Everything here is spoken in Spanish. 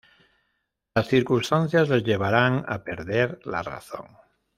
Las circunstancias les llevarán a perder la razón.